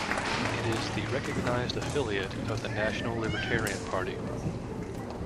It is the recognized affiliate of the national Libertarian Party.